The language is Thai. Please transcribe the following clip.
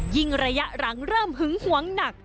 ระยะหลังเริ่มหึงหวงหนัก